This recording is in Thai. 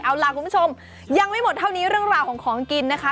เอาล่ะคุณผู้ชมยังไม่หมดเท่านี้เรื่องราวของของกินนะคะ